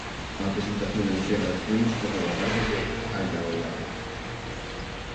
A presentación da entrega dos premios correu a cargo de Aldaolado.